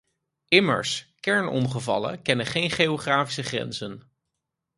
Immers, kernongevallen kennen geen geografische grenzen.